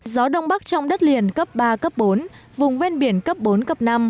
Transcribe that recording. gió đông bắc trong đất liền cấp ba cấp bốn vùng ven biển cấp bốn cấp năm